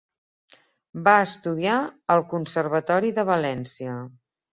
Va estudiar al Conservatori de València.